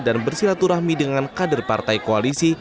dan bersilaturahmi dengan kader partai koalisi